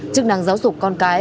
chức năng giáo dục con cái